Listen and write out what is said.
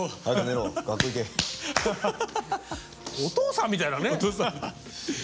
お父さんみたいだね。